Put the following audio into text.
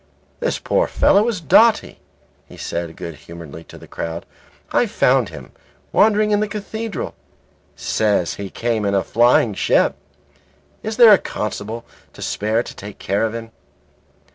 "This poor fellow is dotty," he said good humouredly to the crowd. "I found him wandering in the Cathedral. Says he came in a flying ship. Is there a constable to spare to take care of him?"